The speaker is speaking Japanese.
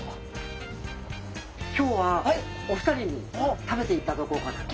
今日はお二人に食べていただこうかなと。